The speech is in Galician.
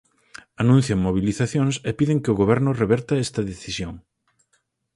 Anuncian mobilizacións e piden que o Goberno reverta esta decisión.